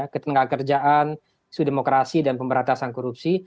ketenaga kerjaan isu demokrasi dan pemberantasan korupsi